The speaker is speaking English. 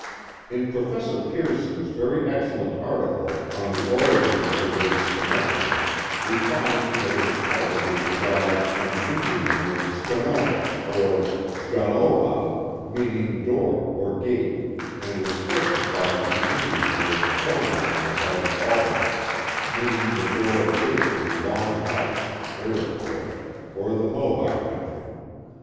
In Professor Pearson's very excellent article on the origin 4Q 50 The Mohawk Valley of the word Schenectady we find that it was probably derived from the Indian word Schonowe or S'Gaun ho ha, meaning door or gate, and was first applied to the Indian village for merly on the site of Albany, meaning the door or gate to the long house (Iroquois) or the Mohawk country.